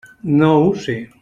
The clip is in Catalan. No ho sé.